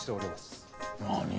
何？